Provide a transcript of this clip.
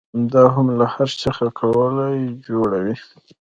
دا هم له هر شي څخه ګولۍ جوړوي.